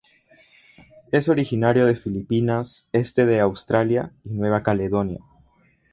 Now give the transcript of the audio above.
Es originario de Filipinas, este de Australia y Nueva Caledonia.